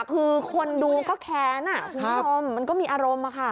คือคนดูก็แค้นมันก็มีอารมณ์ค่ะ